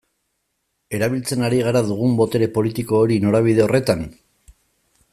Erabiltzen ari gara dugun botere politiko hori norabide horretan?